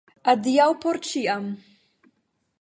Adiaŭ por ĉiam!